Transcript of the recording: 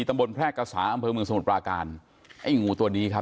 แพร่กษาอำเภอเมืองสมุทรปราการไอ้งูตัวนี้ครับ